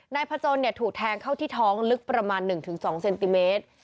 พจนถูกแทงเข้าที่ท้องลึกประมาณ๑๒เซนติเมตร